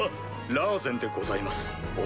ラーゼンでございます王よ。